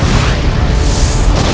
tidak ada yang lebih sakti dariku